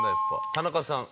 田中さん。